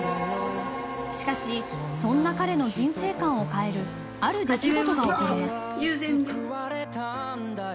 しかしそんな彼の人生観を変えるある出来事が起こります。